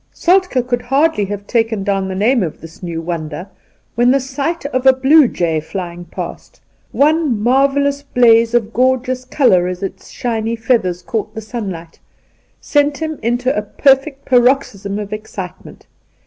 Soltk^ could hardly have taken down the name of this new wonder, when the sight of a blue jay flying past — one marvellous blaze of gorgeous colour as its shiny feathers caught the sunlight — sent him into a perfect paroxysm of excitement.